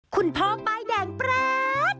คุณพ่อใบแดงแปล๊ด